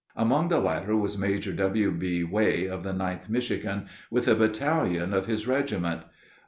Among the latter was Major W.B. Way, of the 9th Michigan, with a battalion of his regiment.